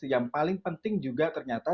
yang paling penting juga ternyata